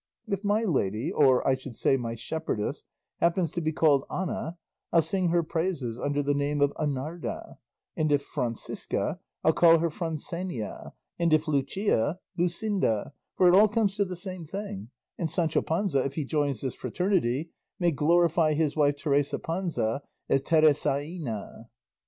If my lady, or I should say my shepherdess, happens to be called Ana, I'll sing her praises under the name of Anarda, and if Francisca, I'll call her Francenia, and if Lucia, Lucinda, for it all comes to the same thing; and Sancho Panza, if he joins this fraternity, may glorify his wife Teresa Panza as Teresaina."